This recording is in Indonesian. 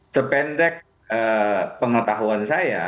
sependek pengetahuan saya